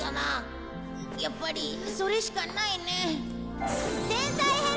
やっぱりそれしかないね。